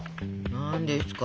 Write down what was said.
何ですか？